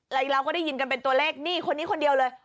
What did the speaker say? แล้วเราก็ได้ยินกันเป็นตัวเลขนี่คนนี้คนเดียวเลย